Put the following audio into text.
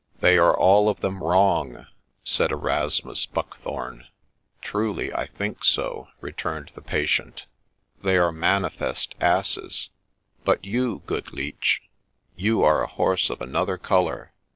' They are all of them wrong,' said Erasmus Buckthorne. ' Truly, I think so,' returned the patient. ' They are manifest 72 MRS. BOTHERBY'S STORY asses ; but you, good Leech, you are a horse of another colour.